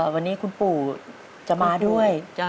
วันนี้คุณปู่จะมาด้วย